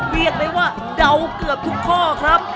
เรียกได้ว่าเดาเกือบทุกข้อครับ